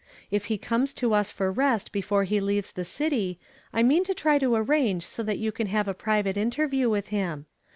If he comes to us for rest before he leaves the city, I mean to try to arrange so that you can iiave a private inter view with him.